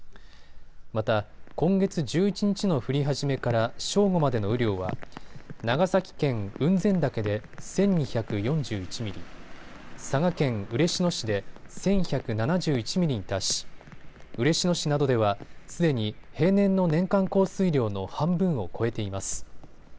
また、今月１１日の降り始めから正午までの雨量は長崎県雲仙岳で１２４１ミリ、佐賀県嬉野市で１１７１ミリに達し嬉野市などではすでに平年の年間降水量の半分を超えています。